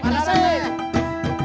banaran banaran banaran